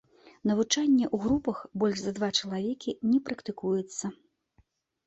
Навучанне ў групах больш за два чалавекі не практыкуецца.